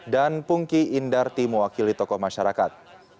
dan pungki indarti mewakili tokoh masyarakat